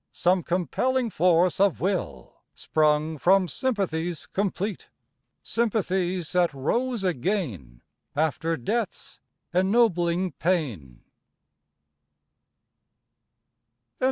Some compelling force of will, Sprung from sympathies complete, Sympathies, that rose again After death's ennobling pain.